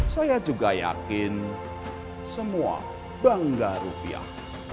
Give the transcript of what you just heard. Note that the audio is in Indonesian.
saya juga yakin semua bangga rupiah